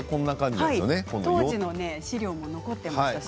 当時の資料も残っていました。